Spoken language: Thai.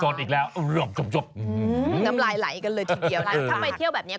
สดอีกแล้วอื้อรบจบจบอื้อน้ำลายไหลกันเลยทีเดียวถ้าไปเที่ยวแบบเนี้ย